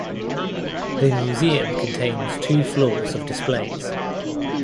The museum contains two floors of displays.